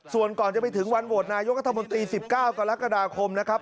ส่วนก่อนจะไปถึงวันเวิทนายกเฉพาะธรรมนตรี๑๙กรกฎาคมนะครับ